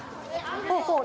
ほうほう。